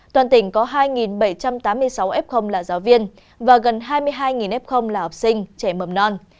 toàn tỉnh có hai bảy trăm tám mươi sáu f là giáo viên và gần hai mươi hai f là học sinh trẻ mầm non